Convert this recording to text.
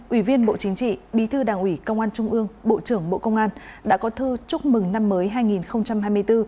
ủy viên bộ chính trị bí thư đảng ủy công an trung ương bộ trưởng bộ công an đã có thư chúc mừng năm mới hai nghìn hai mươi bốn